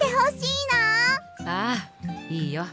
ああいいよ。